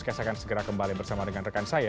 saya akan segera kembali bersama dengan rekan saya